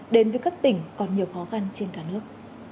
đến với các tỉnh còn nhiều khó khăn trên cả nước